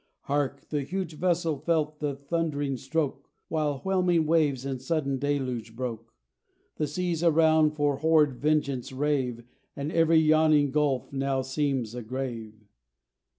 Hark! the huge vessel felt the thund'ring stroke, While whelming waves in sudden deluge broke; The seas around for horrid vengeance rave, And every yawning gulf now seems a grave.